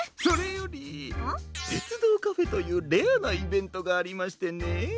それよりてつどうカフェというレアなイベントがありましてね。